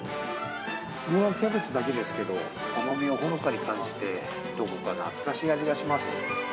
具はキャベツだけですけど、甘みをほのかに感じて、どこか懐かしい味がします。